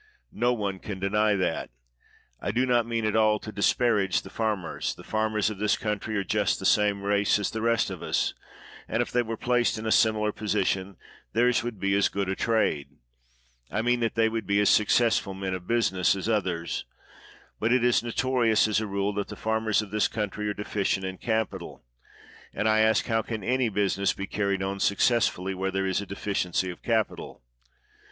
No one can deny that. I do not mean at all to disparage the farmers. The farmers of this country are just the same race as the rest of us; and, if they were placed in a similar position, theirs would be as good a trade — I mean that they would be as successful men of business — as others; but it is notorious, as a rule, that the farmers of this country are deficient in capital ; and I ask : How 158 COBDEN can any business be carried on successfully where there is a deficiency of capital?